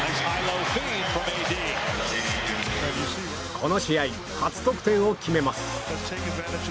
この試合、初得点を決めます。